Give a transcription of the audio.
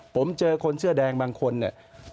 ผมเจอคนเสื้อแดงบางคนเนี่ย